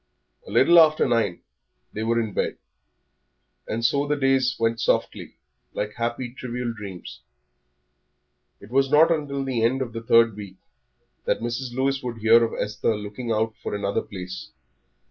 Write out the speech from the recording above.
A little after nine they were in bed, and so the days went softly, like happy, trivial dreams. It was not till the end of the third week that Mrs. Lewis would hear of Esther looking out for another place.